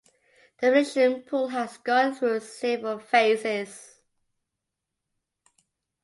The Venetian Pool has gone through several phases.